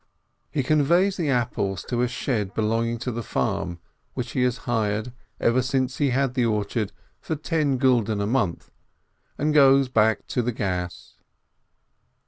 He conveys the apples to a shed belonging to the farm, which he has hired, ever since he had the orchard, for ten gulden a month, and goes back to the Gass.